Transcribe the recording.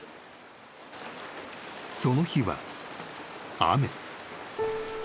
［その日は雨］